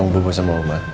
bumbu sama oma